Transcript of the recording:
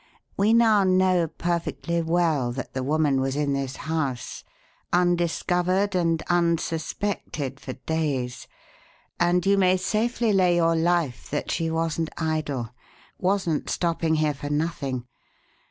We now know perfectly well that the woman was in this house undiscovered and unsuspected for days; and you may safely lay your life that she wasn't idle, wasn't stopping here for nothing.